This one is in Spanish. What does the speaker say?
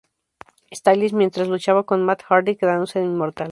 Styles mientras luchaba con Matt Hardy quedándose en Inmortal.